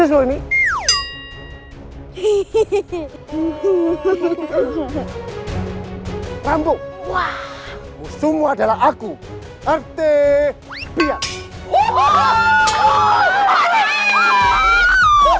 hehehe hehehe hehehe rambut semua adalah aku rt biar